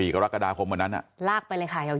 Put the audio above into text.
๔กรกฎาคมเหมือนนั้น